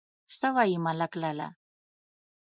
_څه وايي، ملک لالا؟